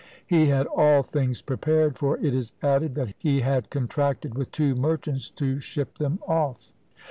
He had all things prepared; for it is added that he had contracted with two merchants to ship them off.